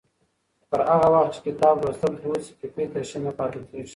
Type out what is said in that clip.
پر هغه وخت چې کتاب لوستل دود شي، فکري تشې نه پاتې کېږي.